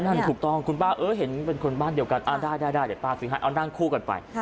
ถูกต้องคุณป้าเออเห็นเป็นคนบ้านเดียวกันได้ได้เดี๋ยวป้าซื้อให้เอานั่งคู่กันไป